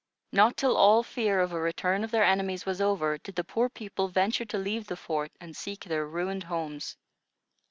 Not till all fear of a return of their enemies was over, did the poor people venture to leave the fort and seek their ruined homes.